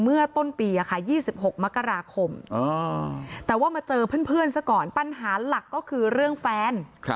เมื่อต้นปี๒๖มกราคมแต่ว่ามาเจอเพื่อนซะก่อนปัญหาหลักก็คือเรื่องแฟน